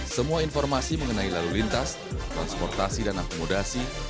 semua informasi mengenai lalu lintas transportasi dan akomodasi